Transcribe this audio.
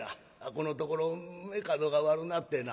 このところ目角が悪なってな。